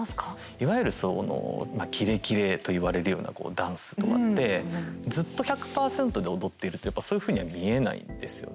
いわゆるそのまあキレキレと言われるようなダンスとかってずっと１００％で踊っているとやっぱそういうふうには見えないんですよね。